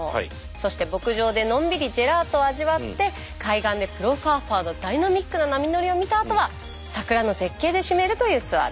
そして牧場でのんびりジェラートを味わって海岸でプロサーファーのダイナミックな波乗りを見たあとは桜の絶景で締めるというツアーです。